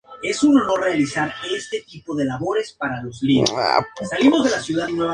En Nigeria obtuvo un "máster" en lingüística, entre otras cualificaciones.